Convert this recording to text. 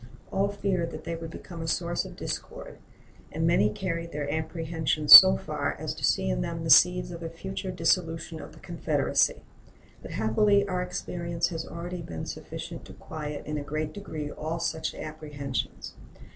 All feared that they would become a source of discord, and many carried their apprehensions so far as to see in them the seeds of a future dissolution of the Confederacy. But happily our experience has already been sufficient to quiet in a great degree all such apprehensions.